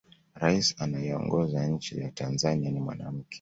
rais anayeongoza nchi ya tanzania ni mwanamke